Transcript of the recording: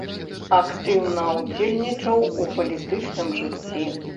Актыўна ўдзельнічаў у палітычным жыцці.